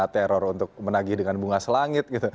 teror untuk menagih dengan bunga selangit gitu